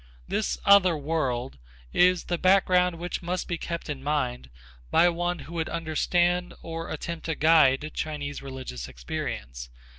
This other world is the background which must be kept in mind by one who would understand or attempt to guide Chinese religious experience.